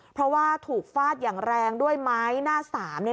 เพราะว่าถูกฟาดอย่างแรงด้วยไม้หน้าสาม